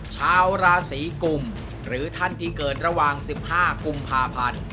ชาวราศีกุมหรือท่านที่เกิดระหว่าง๑๕กุมภาพันธ์